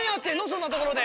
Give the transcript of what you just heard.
そんなところで。